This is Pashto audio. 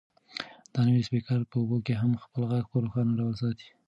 دا نوی سپیکر په اوبو کې هم خپل غږ په روښانه ډول ساتي.